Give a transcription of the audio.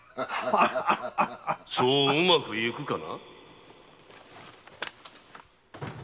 ・そううまくゆくかな。